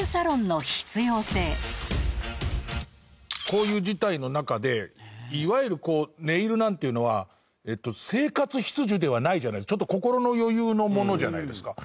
こういう事態の中でいわゆるネイルなんていうのは生活必需ではないじゃないちょっと心の余裕のものじゃないですか。